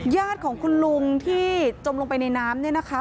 ญาติของคุณลุงที่จมลงไปในน้ำ